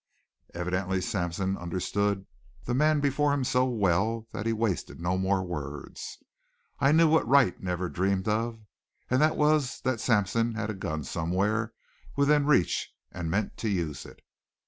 Evidently Sampson understood the man before him so well that he wasted no more words. I knew what Wright never dreamed of, and that was that Sampson had a gun somewhere within reach and meant to use it.